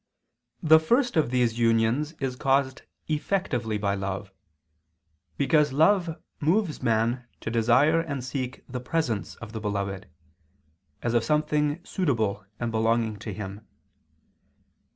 The first of these unions is caused effectively by love; because love moves man to desire and seek the presence of the beloved, as of something suitable and belonging to him.